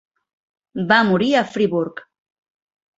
Va morir a Friburg.